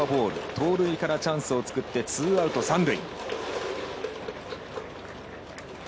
盗塁からチャンスを作ってツーアウト、三塁。